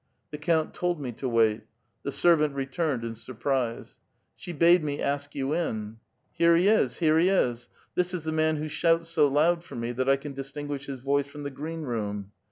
" *'The count told me to wait." The servant returned in surprise. *' She bade me ask you in." " Here he is ! here he is ! This is the man who shouts so loud for me that I can distinguish his voice from the green room.